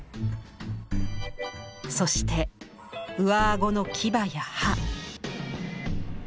そして上顎の牙や歯。